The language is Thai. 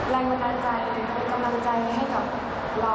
แรงกำลังใจแรงกำลังใจให้กับเรา